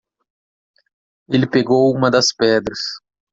Ele pegou uma das pedras.